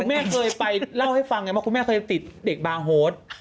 แม่เคยไปเล่าให้ฟังไงว่าคุณแม่เคยติดเด็กบาร์โฮส